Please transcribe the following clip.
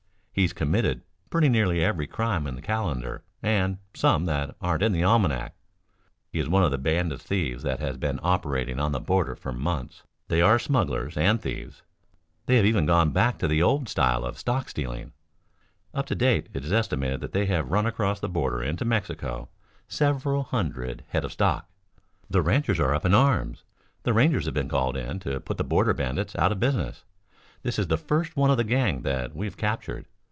He's committed pretty nearly every crime in the calendar and some that aren't in the almanac. He is one of a band of thieves that has been operating on the border for months. They are smugglers and thieves. They have even gone back to the old style of stock stealing. Up to date it is estimated that they have run across the border into Mexico several hundred head of stock. The ranchers are up in arms. The Rangers have been called in to put the Border Bandits out of business. This is the first one of the gang that we have captured.